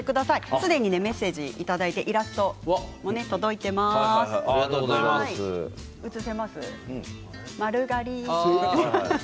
すでにメッセージをいただいていてイラストも届いてＩＫＫＯのものまね